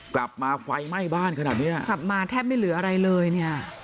กลับมาไฟไหม้บ้านขนาดเนี้ยกลับมาแทบไม่เหลืออะไรเลยเนี่ย